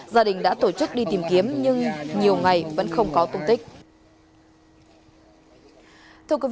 gia đình đã tổ chức đi tìm kiếm nhưng nhiều ngày vẫn không có tung tích